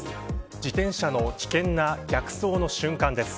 自転車の危険な逆走の瞬間です。